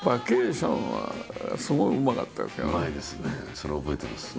それは覚えてますね。